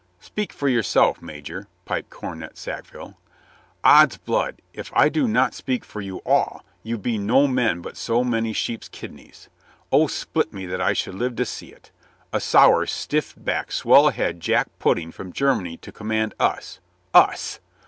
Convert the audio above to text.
"Speak for yourself, Major," piped Cornet Sack ville. "Ods blood, if I do not speak for you all, you be no men but so many sheep's kidneys. O split me that I should live to see it! A sour, stiff backed, swell head jack pudding from Germany to command us — us!